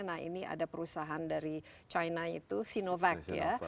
nah ini ada perusahaan dari china itu sinovac ya